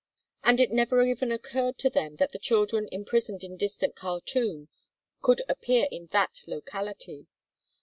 And it never even occurred to them that the children imprisoned in distant Khartûm could appear in that locality.